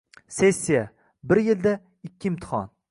Sessiya. Bir yilda ikki imtihon